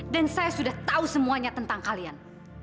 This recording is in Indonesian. dan saya sudah tahu semuanya tentang kalian